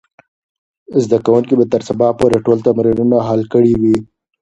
زده کوونکي به تر سبا پورې ټول تمرینونه حل کړي وي.